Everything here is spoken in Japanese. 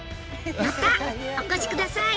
またお越しください！